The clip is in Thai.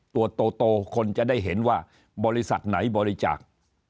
ตัวโตคนจะได้เห็นว่าบริษัทไหนบริจาค